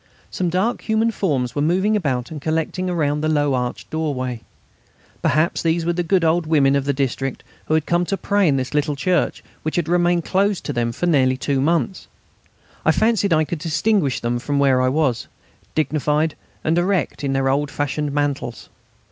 Some dark human forms were moving about and collecting around the low arched doorway. Perhaps these were the good old women of the district who had come to pray in this little church which had remained closed to them for nearly two months. I fancied I could distinguish them from where I was, dignified and erect in their old fashioned mantles.